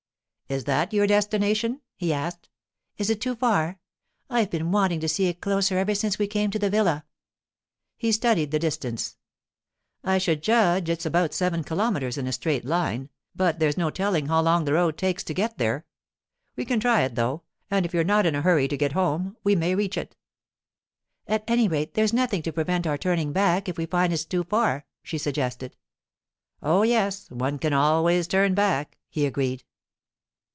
'Is that your destination?' he asked. 'Is it too far? I've been wanting to see it closer ever since we came to the villa.' He studied the distance. 'I should judge it's about seven kilometres in a straight line, but there's no telling how long the road takes to get there. We can try it, though; and if you're not in a hurry to get home, we may reach it.' 'At any rate, there's nothing to prevent our turning back if we find it's too far,' she suggested. 'Oh, yes; one can always turn back,' he agreed.